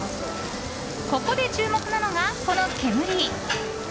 ここで注目なのが、この煙。